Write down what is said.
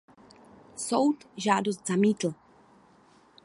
Soud žádost zamítl.